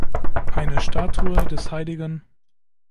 Eine Statue des Hl.